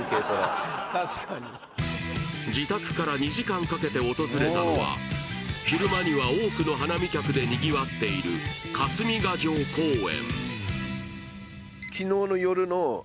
自宅から２時間かけて訪れたのは昼間には多くの花見客でにぎわっている霞ヶ城公園。